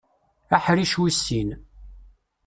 Aḥric wis sin.